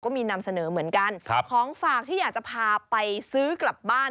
นำเสนอเหมือนกันครับของฝากที่อยากจะพาไปซื้อกลับบ้าน